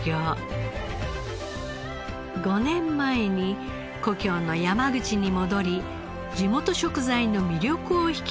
５年前に故郷の山口に戻り地元食材の魅力を引き出す料理を提供しています。